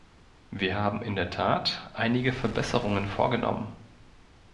Wir haben in der Tat einige Verbesserungen vorgenommen.